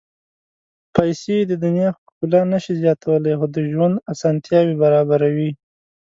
پېسې د دنیا ښکلا نه شي زیاتولی، خو د ژوند اسانتیاوې برابروي.